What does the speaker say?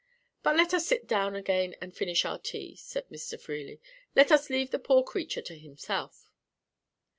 "But let us sit down again and finish our tea," said Mr. Freely. "Let us leave the poor creature to himself."